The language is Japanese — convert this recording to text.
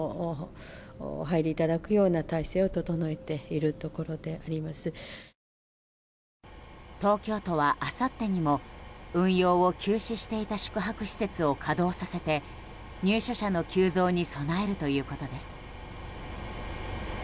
今夜、小池都知事は。東京都は、あさってにも運用を休止していた宿泊施設を稼働させて入所者の急増に備えるということです。